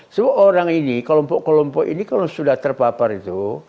semua orang ini kelompok kelompok ini kalau sudah terpapar itu